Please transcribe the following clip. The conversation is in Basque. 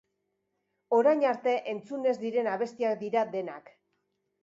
Orain arte entzun ez diren abestiak dira denak.